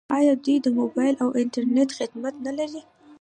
آیا دوی د موبایل او انټرنیټ خدمات نلري؟